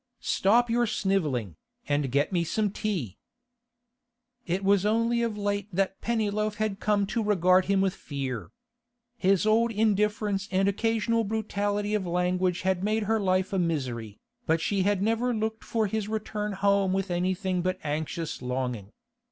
'Stop your snivelling, and get me some tea!' It was only of late that Pennyloaf had come to regard him with fear. His old indifference and occasional brutality of language had made her life a misery, but she had never looked for his return home with anything but anxious longing.